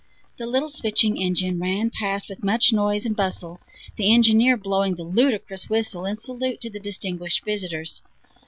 The little switching engine ran past with much noise and bustle, the engineer blowing the ludicrous whistle in salute to the distinguished visitors.